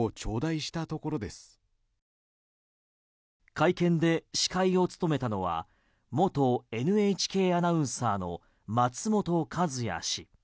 会見で司会を務めたのは元ＮＨＫアナウンサーの松本和也氏。